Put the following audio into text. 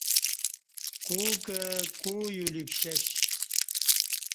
کوع کہ کوع یُلی پشش